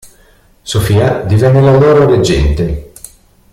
Sofia divenne la loro reggente.